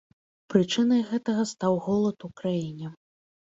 Прычынай гэтага стаў голад у краіне.